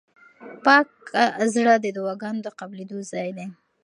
پاک زړه د دعاګانو د قبلېدو ځای دی.